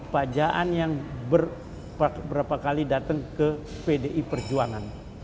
pak jaan yang berapa kali datang ke pdi perjuangan